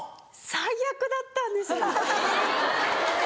最悪だったんですよ。